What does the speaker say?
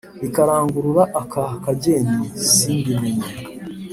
Rikarangurura aka kageni simbimenye